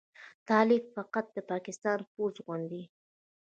طالبان فقط د پاکستان د پوځ غوندې